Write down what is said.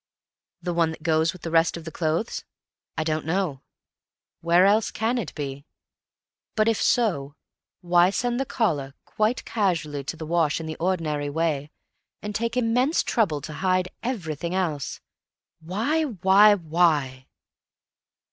"The one that goes with the rest of the clothes? I don't know. Where else can it be? But if so, why send the collar quite casually to the wash in the ordinary way, and take immense trouble to hide everything else? Why, why, why?"